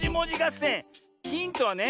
ヒントはね